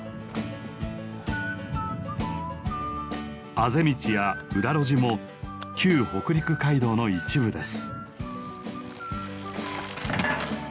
あぜ道や裏路地も旧北陸街道の一部です。